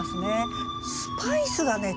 「スパイス」がね